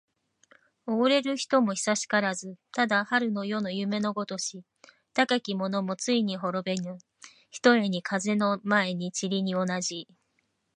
おごれる人も久しからず。ただ春の夜の夢のごとし。たけき者もついには滅びぬ、ひとえに風の前の塵に同じ。